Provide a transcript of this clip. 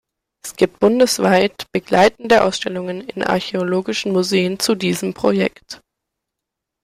Es gibt bundesweit begleitende Ausstellungen in archäologischen Museen zu diesem Projekt.